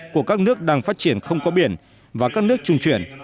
của các nước đang phát triển không có biển và các nước trung chuyển